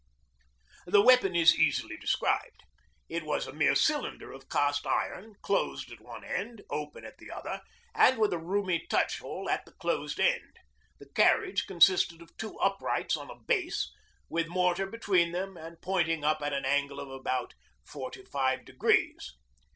The weapon is easily described. It was a mere cylinder of cast iron, closed at one end, open at the other, and with a roomy 'touch hole' at the closed end. The carriage consisted of two uprights on a base, with mortar between them and pointing up at an angle of about forty five degrees.